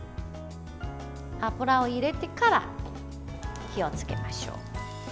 油を入れてから火をつけましょう。